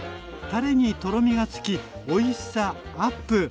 タレにとろみがつきおいしさアップ。